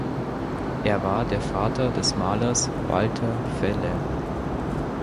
Er war der Vater des Malers Walter Felle.